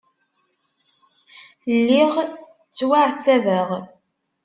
Lliɣ ttwaɛettabeɣ.